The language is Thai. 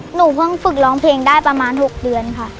หนูเพิ่งฝึกร้องเพลงได้ประมาณ๖เดือนค่ะ